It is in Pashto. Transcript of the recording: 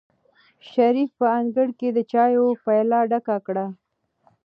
شریف په انګړ کې د چایو پیاله ډکه کړه.